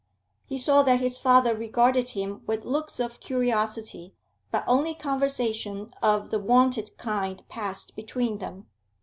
He saw that his father regarded him with looks of curiosity, but only conversation of the wonted kind passed between them.